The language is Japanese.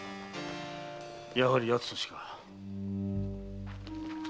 やはり奴としか。